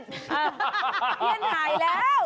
เอ่อเพี้ยนหายแล้ว